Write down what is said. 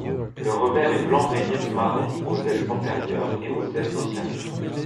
Le revers est blanc rayé de marron aux ailes antérieures et aux ailes postérieures.